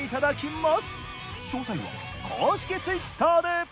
詳細は公式Ｔｗｉｔｔｅｒで。